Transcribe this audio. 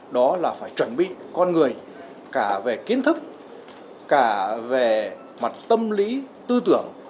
đó là phải chuẩn bị con người cả về kiến thức cả về mặt tâm lý tư tưởng